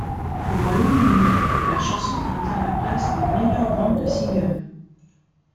Au Royaume-Uni, la chanson atteint la place des meilleures ventes de singles.